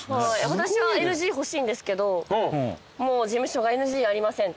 私はＮＧ欲しいんですけどもう事務所が「ＮＧありません」